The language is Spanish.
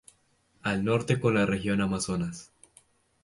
Al Norte con la Región Amazonas.